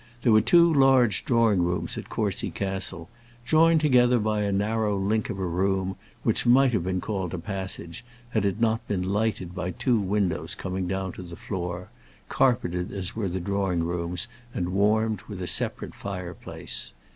There were two large drawing rooms at Courcy Castle, joined together by a narrow link of a room, which might have been called a passage, had it not been lighted by two windows coming down to the floor, carpeted as were the drawing rooms, and warmed with a separate fireplace.